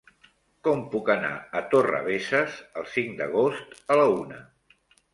Com puc anar a Torrebesses el cinc d'agost a la una?